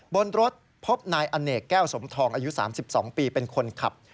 บนรถพบนายอเนกแก้วสมทองอายุ๓๒ปีเป็นคนขับ